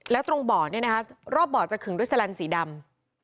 แล้วตรงบ่อเนี่ยนะคะรอบบ่อจะขึงด้วยแลนสีดำ